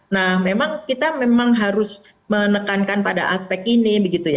nah memang kita memang harus menekankan pada aspek ini begitu ya